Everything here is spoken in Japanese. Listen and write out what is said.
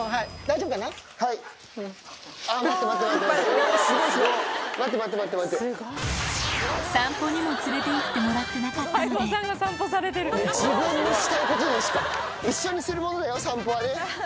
待って、待って、すごい。待って、散歩にも連れていってもらっ自分のしたいことにしか、一緒にするものだよ、散歩はね。